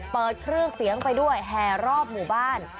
เปิดเครื่องเสียงไปด้วยแห่รอบหมู่บ้าน